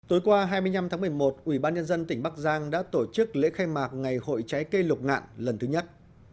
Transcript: tối qua hai mươi năm tháng một mươi một ủy ban nhân dân tỉnh bắc giang đã tổ chức lễ khai mạc ngày hội trái cây lục ngạn lần thứ nhất